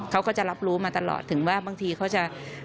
เขาก็จะรับรู้มาตลอดถึงว่าบางทีเขาจะ